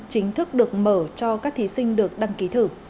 chính thức được mở cho các thí sinh được đăng ký thử